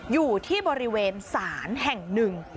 อยู่ที่บริเวณศาลแห่งหนึ่ง